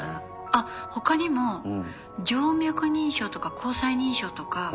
あっ他にも静脈認証とか虹彩認証とか。